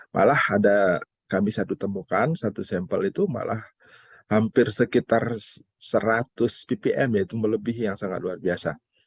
malah ada kami satu temukan satu sampel itu malah hampir sekitar seratus ppm yaitu melebihi yang sangat luar biasa